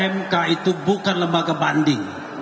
mk itu bukan lembaga banding